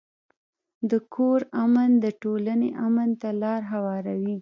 د کور امن د ټولنې امن ته لار هواروي.